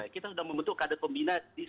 kita sudah membuat kadet pembina di seluruh negara